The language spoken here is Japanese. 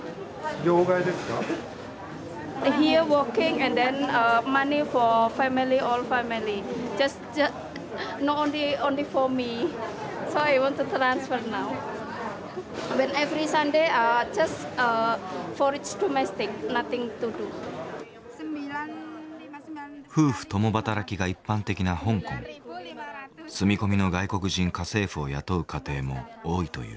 住み込みの外国人家政婦を雇う家庭も多いという。